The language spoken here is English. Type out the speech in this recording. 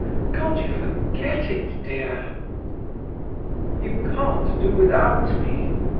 Can't you forget it, dear?" "You can't do without me?"